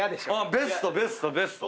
ベストベストベスト。